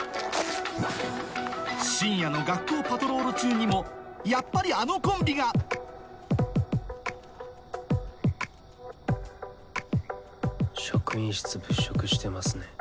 深夜の学校パトロール中にもやっぱり職員室物色してますね。